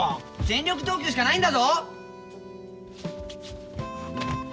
全力投球しかないんだぞ。